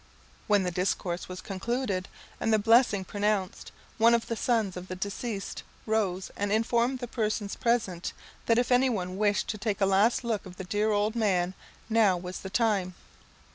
When the discourse was concluded, and the blessing pronounced, one of the sons of the deceased rose and informed the persons present, that if any one wished to take a last look of the dear old man, now was the time.